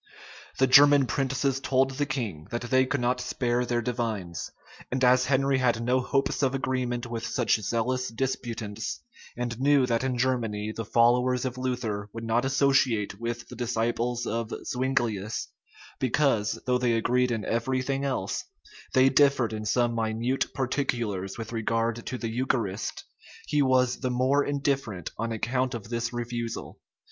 The German princes told the king, that they could not spare their divines; and as Henry had no hopes of agreement with such zealous disputants, and knew that in Germany the followers of Luther would not associate with the disciples of Zuinglius, because, though they agreed in every thing else, they differed in some minute particulars with regard to the eucharist, he was the more indifferent on account of this refusal.